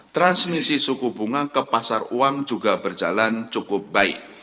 transmisi suku bunga ke pasar uang juga berjalan cukup baik